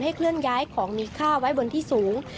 เคลื่อนย้ายของมีค่าไว้บนที่สูง